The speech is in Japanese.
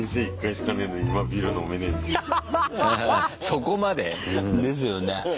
そこまで？ですよね。